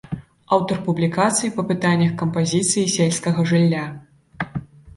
Аўтар публікацый па пытаннях кампазіцыі сельскага жылля.